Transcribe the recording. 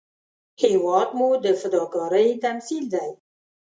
هېواد مو د فداکارۍ تمثیل دی